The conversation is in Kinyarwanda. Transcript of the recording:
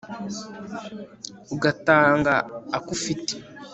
ugatanga ako ufite